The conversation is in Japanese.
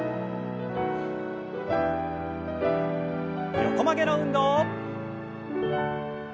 横曲げの運動。